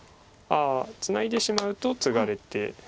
ああツナいでしまうとツガれて。